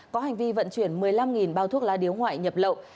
có hành vi vận chuyển một mươi năm bao thuốc lá điếu ngoại nhập lậu